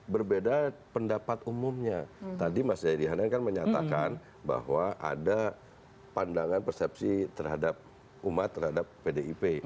berbeda pendapat umumnya tadi mas jayadi hanan kan menyatakan bahwa ada pandangan persepsi terhadap umat terhadap pdip